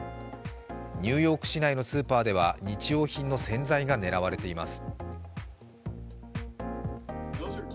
ニューヨーク市内のスーパーでは日用品の洗剤が狙われています。